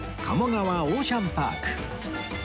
鴨川オーシャンパーク